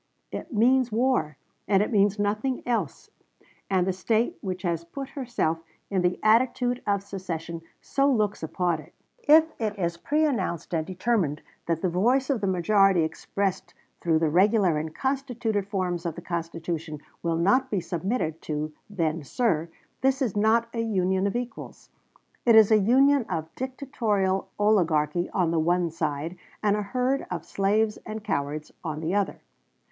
It means war, and it means nothing else; and the State which has put herself in the attitude of secession so looks upon it.... If it is preannounced and determined that the voice of the majority expressed through the regular and constituted forms of the Constitution will not be submitted to, then, sir, this is not a Union of equals; it is a Union of a dictatorial oligarchy on the one side, and a herd of slaves and cowards on the other.